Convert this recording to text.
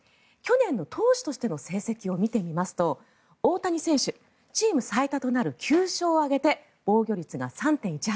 去年の投手としての成績を見てみますと大谷選手、チーム最多となる９勝を挙げて防御率が３．１８。